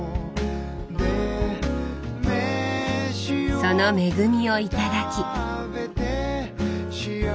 その恵みを頂き。